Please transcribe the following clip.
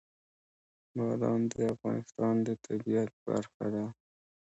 بادام د افغانستان د طبیعت برخه ده.